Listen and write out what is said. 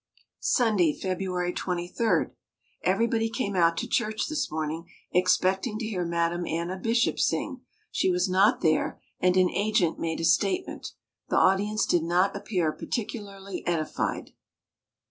Sunday, February 23. Everybody came out to church this morning, expecting to hear Madame Anna Bishop sing. She was not there, and an "agent" made a "statement." The audience did not appear particularly edified.